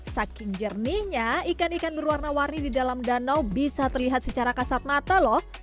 saking jernihnya ikan ikan berwarna warni di dalam danau bisa terlihat secara kasat mata loh